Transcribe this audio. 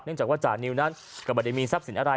จากว่าจานิวนั้นก็ไม่ได้มีทรัพย์สินอะไร